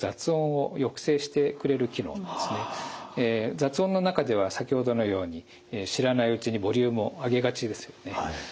雑音の中では先ほどのように知らないうちにボリュームを上げがちですよね。